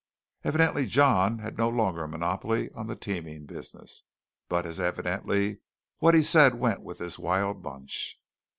Evidently John had no longer a monopoly of the teaming business; but, as evidently, what he said went with this wild bunch.